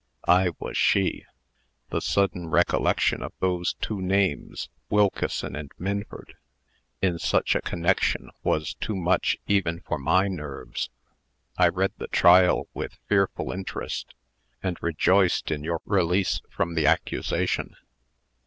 I was she. The sudden recollection of those two names Wilkeson and Minford in such a connection, was too much even for my nerves. I read the trial with fearful interest, and rejoiced in your release from the accusation.